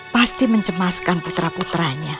pasti mencemaskan putra putranya